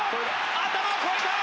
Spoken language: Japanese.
頭を越えた！